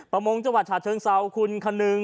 ประมงจังหวัดฉะเชิงเซาคุณคนนึง